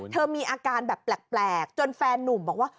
มีอาการแบบแปลกจนแฟนนุ่มบอกว่า